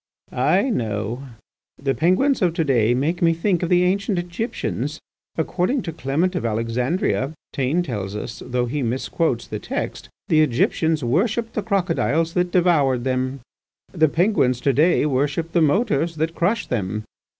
"I know. The Penguins of to day make me think of the ancient Egyptians. According to Clement of Alexandria, Taine tells us—though he misquotes the text—the Egyptians worshipped the crocodiles that devoured them. The Penguins to day worship the motors that crush them.